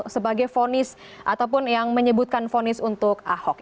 sebagai vonis ataupun yang menyebutkan vonis untuk ahok